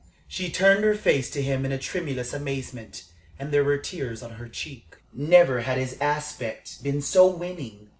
'" She turned her face to him in a tremulous amazement and there were tears on her cheek. Never had his aspect been so winning.